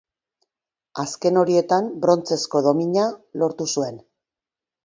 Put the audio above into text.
Azken horietan brontzezko domina lortu zuen.